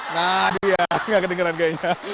nah dia nggak ketinggalan kayaknya